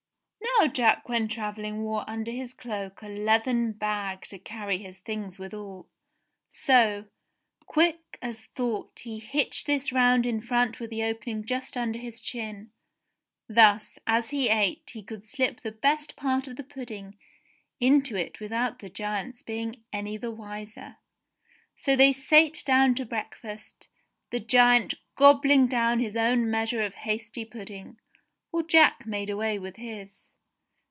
Now Jack when travelling wore under his cloak a leathern bag to carry his things withal ; so, quick as thought he hitched this round in front with the opening just under his chin ; thus, as he ate, he could slip the best part of the pudding into it without the giant's being any the wiser. So they sate down to breakfast, the giant gobbling down his own measure of hasty pudding, while Jack made away with his.